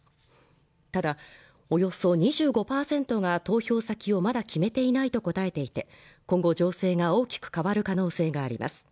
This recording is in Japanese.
ただおよそ２５％が投票先をまだ決めていないと答えていて今後情勢が大きく変わる可能性があります